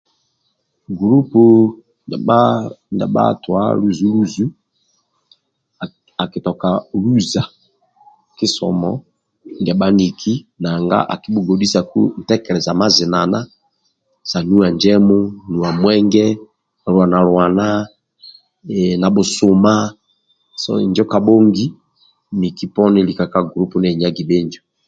Gulupu ndia bhatwa luzu luzu akitoka luza kisomo bhaniki nanga akibhugodhisaku nitekeleza mazinana sa nuwa njemu nuwa mwenge lwanalwana ehh na bhusuma so injo kabhongi miki poni lika ka gulupu mabhinjo